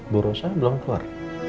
burung saya belum keluar